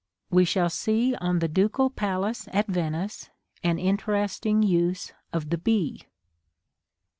We shall see on the Ducal Palace at Venice an interesting use of the bee.